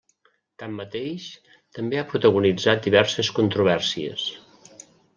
Tanmateix, també ha protagonitzat diverses controvèrsies.